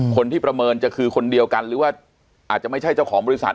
ประเมินจะคือคนเดียวกันหรือว่าอาจจะไม่ใช่เจ้าของบริษัท